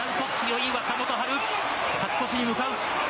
勝ち越しに向かう。